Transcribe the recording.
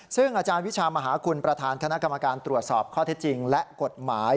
ซึ่งอาจารย์วิชามหาคุณประธานคณะกรรมการตรวจสอบข้อเท็จจริงและกฎหมาย